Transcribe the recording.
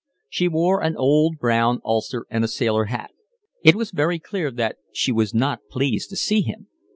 She wore an old brown ulster and a sailor hat. It was very clear that she was not pleased to see him.